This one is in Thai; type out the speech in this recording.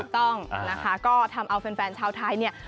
ต้องนะคะก็ทำเอาแฟนชาวไทยเนี่ย